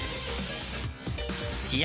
試合